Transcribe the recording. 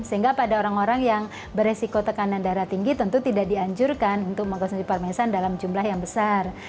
sehingga pada orang orang yang beresiko tekanan darah tinggi tentu tidak dianjurkan untuk mengkonsumsi parmesan dalam jumlah yang besar